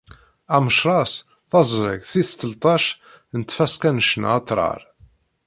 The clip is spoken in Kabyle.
Amecras, taẓrigt tis tleṭṭac n tfaska n ccna atrar.